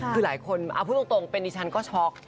คือหลายคนเอาพูดตรงเป็นดิฉันก็ช็อก